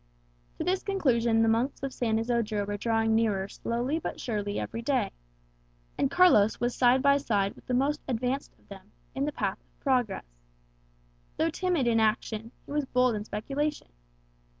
To this conclusion the monks of San Isodro were drawing nearer slowly but surely every day. And Carlos was side by side with the most advanced of them in the path of progress. Though timid in action, he was bold in speculation.